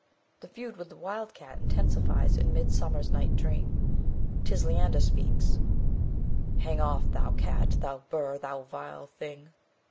The feud with the wild cat intensifies in Midsummer Night's Dream; 'tis Lysander speaks: Hang off, thou cat, thou burr, thou vile thing.